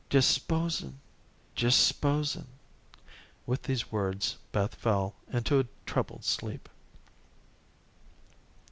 "Just s'posing just s'posing " With these words Beth fell into a troubled sleep.